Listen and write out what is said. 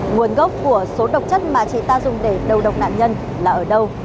nguồn gốc của số độc chất mà chị ta dùng để đầu độc nạn nhân là ở đâu